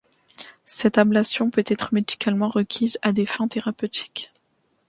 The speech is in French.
Cette ablation peut être médicalement requise à des fins thérapeutiques.